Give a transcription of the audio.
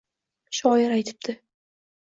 Shoir aytibdi: